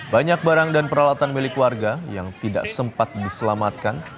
banyak barang dan peralatan milik warga yang tidak sempat diselamatkan